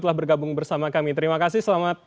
telah bergabung bersama kami terima kasih selamat